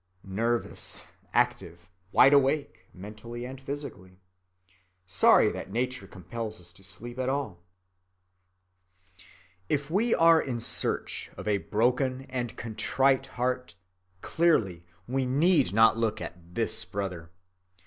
Nervous, active, wide‐awake, mentally and physically. Sorry that Nature compels us to sleep at all. If we are in search of a broken and a contrite heart, clearly we need not look to this brother.